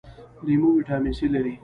لیمو ویټامین سي لري